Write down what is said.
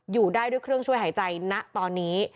อยู่ได้ด้วยเครื่องช่วยหายใจณตอนนี้